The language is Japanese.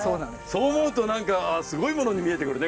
そう思うと何かすごいものに見えてくるね